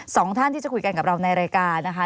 สองท่านที่จะคุยกันกับเราในรายการนะคะ